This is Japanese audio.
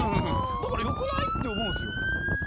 だからよくない？って思うんですよ。